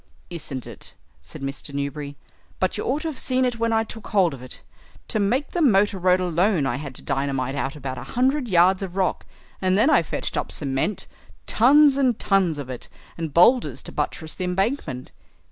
"Isn't it?" said Mr. Newberry. "But you ought to have seen it when I took hold of it. To make the motor road alone I had to dynamite out about a hundred yards of rock, and then I fetched up cement, tons and tons of it, and boulders to buttress the embankment."